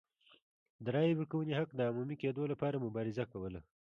د رایې ورکونې حق د عمومي کېدو لپاره مبارزه کوله.